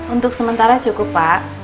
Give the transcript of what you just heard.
untuk sementara cukup pak